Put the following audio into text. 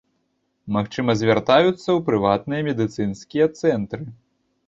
Магчыма, звяртаюцца ў прыватныя медыцынскія цэнтры.